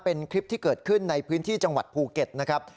เป็นคลิปที่เกิดขึ้นในพื้นที่จังหวัดภูเก็ตนะครับ